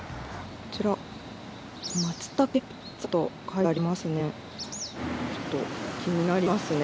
こちら「松茸ピッツァ」と書いてありますね。